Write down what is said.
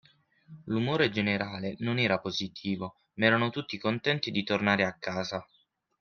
L’umore generale non era positivo, ma erano tutti contenti di tornare a casa.